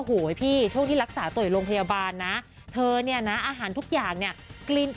โอ้โหพี่ช่วงที่รักษาตัวอยู่โรงพยาบาลนะเธอเนี่ยนะอาหารทุกอย่างเนี่ย